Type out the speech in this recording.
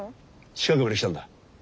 近くまで来たんだ。